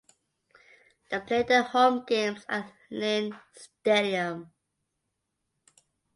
They play their home games at Lynn Stadium.